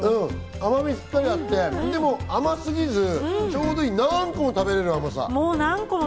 甘みがしっかりあって、でも甘すぎず、何個も食べられる甘さ。